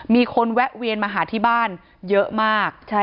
มีคนแวะเวียนมาหาที่บ้านเยอะมาก